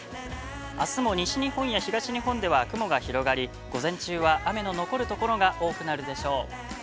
あすも西日本や東日本では雲が広がり、午前中は雨の残るところが多くなるでしょう。